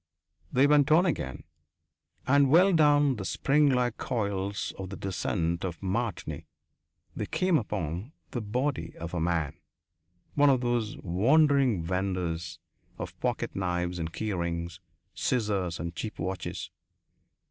They went on again, and well down the springlike coils of the descent of Martigny they came upon the body of a man one of those wandering vendors of pocket knives and key rings, scissors and cheap watches.